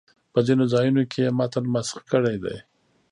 په ځینو ځایونو کې یې متن مسخ کړی دی.